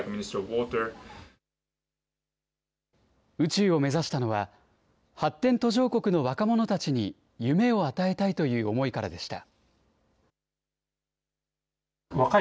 宇宙を目指したのは、発展途上国の若者たちに夢を与えたいという思いからでした。